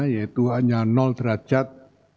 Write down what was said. yaitu hanya derajat